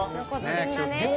気を付けて。